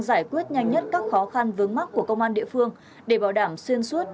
giải quyết nhanh nhất các khó khăn vướng mắt của công an địa phương để bảo đảm xuyên suốt